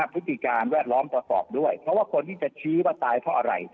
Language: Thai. พฤติการแวดล้อมประกอบด้วยเพราะว่าคนที่จะชี้ว่าตายเพราะอะไร